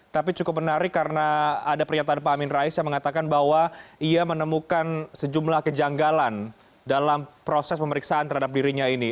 tapi cukup menarik karena ada pernyataan pak amin rais yang mengatakan bahwa ia menemukan sejumlah kejanggalan dalam proses pemeriksaan terhadap dirinya ini